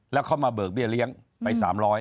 แล้วเขามาเบิกเบี้ยเลี้ยงไป๓๐๐